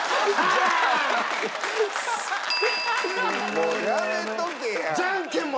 もうやめとけや！